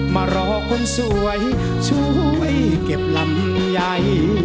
มารอคนสวยช่วยเก็บลำไย